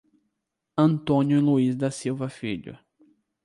Antônio Luiz da Silva Filho